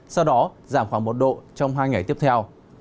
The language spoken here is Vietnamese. sau đó giảm khoảng một độ trong hai ngày tiếp theo